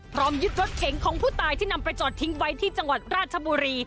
ยึดรถเก๋งของผู้ตายที่นำไปจอดทิ้งไว้ที่จังหวัดราชบุรี